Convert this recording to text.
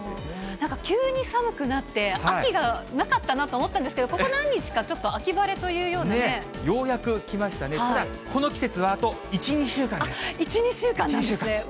なんか急に寒くなって、秋がなかったなと思ったんですけれども、ここ何日かちょっと秋晴ようやく来ましたね、この季１、２週間なんですね。